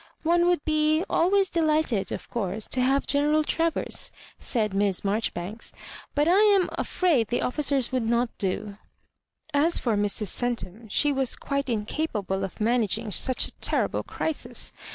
" One would be always delighted, of course, to have General Travers," said Miss Marjoribanks, " but I am afraid the offi cers would not do." As for Mrs. Centum, she was quite incapable of managing such a terrible crisis.